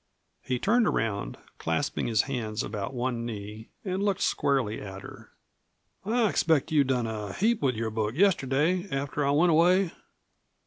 He turned around, clasping his hands about one knee and looking squarely at her. "I expect you done a heap with your book yesterday after I went away?"